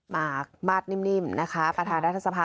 มากมาดนิ่มนะคะประธานาธรรมศาพย์